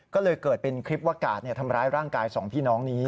ก็เลยเกิดเป็นคลิปว่ากาดทำร้ายร่างกายสองพี่น้องนี้